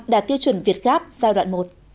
đạt tiêu chuẩn việt gáp giai đoạn một